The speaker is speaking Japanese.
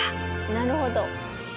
なるほど。